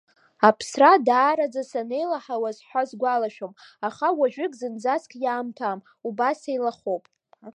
Аԥсра даараӡа санеилаҳауаз ҳәа сгәалашәом, аха уажәык зынӡаск иаамҭам, убас сеилахоуп.